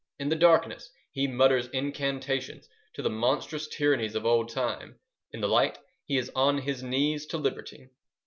In the darkness he mutters incantations to the monstrous tyrannies of old time: in the light he is on his knees to liberty.